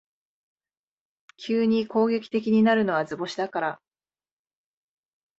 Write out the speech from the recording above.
急に攻撃的になるのは図星だから